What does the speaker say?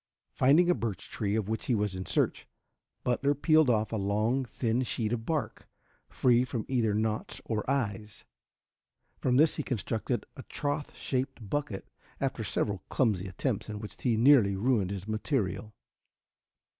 Finding a birch tree, of which he was in search, Butler peeled off a long, thin sheet of bark, free from either knots or "eyes." From this he constructed a trough shaped bucket after several clumsy attempts, in which he nearly ruined his material.